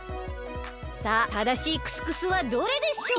さあただしいクスクスはどれでしょう？